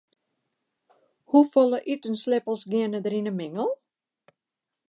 Hoefolle itensleppels geane der yn in mingel?